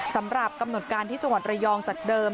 สำหรับกำหนดการที่จังหวัดระยองจากเดิม